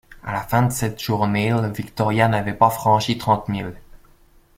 À la fin de cette journée, le Victoria n’avait pas franchi trente milles.